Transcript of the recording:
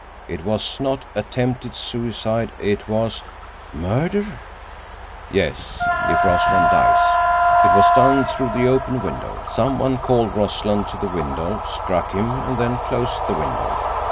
It was not attempted suicide. It was—" "Murder." "Yes, if Rossland dies. It was done through the open window. Someone called Rossland to the window, struck him, and then closed the window.